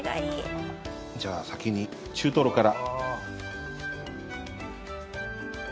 じゃあ先に中トロから。